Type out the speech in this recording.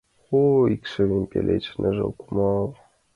О, икшывын пеледше ныжыл кумыл!